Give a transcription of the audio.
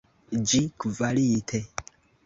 Ĝi kvalite.